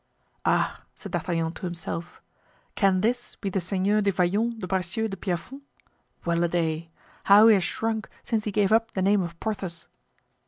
"Ah!" said D'Artagnan to himself, "can this be the Seigneur du Vallon de Bracieux de Pierrefonds? Well a day! how he has shrunk since he gave up the name of Porthos!"